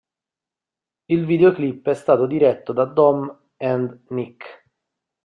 Il videoclip è stato diretto da Dom and Nic.